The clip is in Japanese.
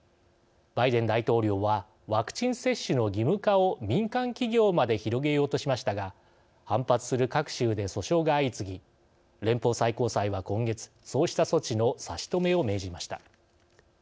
バイデン大統領はワクチン接種の義務化を民間企業まで広げようとしましたが反発する各州で訴訟が相次ぎ連邦最高裁は、今月そうした措置の差し止めを命じました。